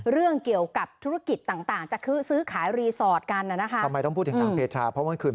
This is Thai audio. เรื่องเกี่ยวกับธุรกิจต่างเฉพาะสื้อขายรีสอร์ทกันนะฮะ